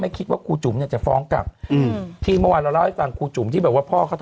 มีอย่างหนึ่งที่คุณแม่มดดำพูดจริง